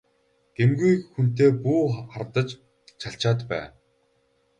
Гэмгүй хүнтэй бүү хардаж чалчаад бай!